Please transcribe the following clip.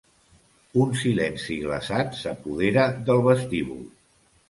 Un silenci glaçat s'apodera del vestíbul.